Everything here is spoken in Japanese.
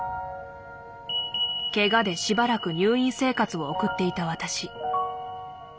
けがでしばらく入院生活を送っていた私。